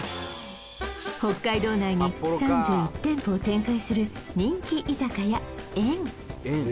北海道内に３１店舗を展開する人気居酒屋炎